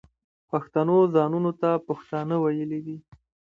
پښتنو ځانونو ته پښتانه ویلي دي.